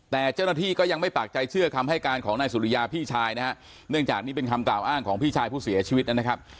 แต่เจ้าหน้าที่ก็ยังไม่ปากใจเชื่อคำให้การของนายสุริยาพี่ชายนะฮะเนื่องจากนี่เป็นคำกล่าวอ้างของพี่ชายผู้เสียชีวิตนะครับ